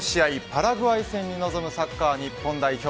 パラグアイ戦に臨むサッカー日本代表